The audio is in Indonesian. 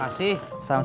uangnya udah sama mas